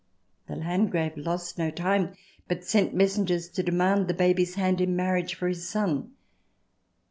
The Landgrave lost no time, but sent messengers to demand the baby's hand in marriage for his son.